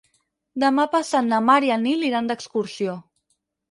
Demà passat na Mar i en Nil iran d'excursió.